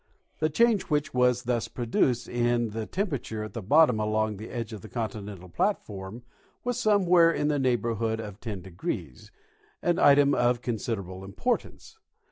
The change which was thus pro duced in the temperature at the bottom along this edge of the continental platform was somewhere in the neighborhood of 10°, an item of considerable importance.